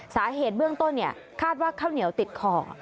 สาเหตุเบื้องต้นคาดว่าข้าวเหนียวติดคอ